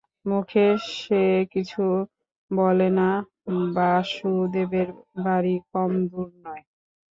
মুখে সে কিছু বলে না বাসুদেবের বাড়ি কম দূর নয়।